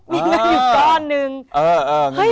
เงินอยู่กับหนึ่งเฮ้ย